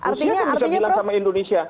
rusia itu bisa dibilang sama indonesia